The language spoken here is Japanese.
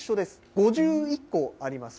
５１個あります。